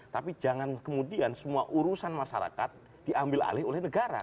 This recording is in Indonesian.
tapi jangan kemudian semua urusan masyarakat diambil alih oleh negara